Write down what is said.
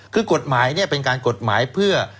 คือกฎหมายเนี่ยเป็นการกฎหมายเพื่อ